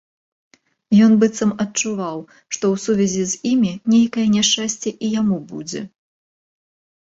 Ён быццам адчуваў, што ў сувязі з імі нейкае няшчасце і яму будзе.